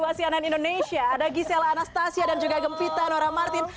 di studio dua sianan indonesia ada giselle anastasia dan juga gempita nora martin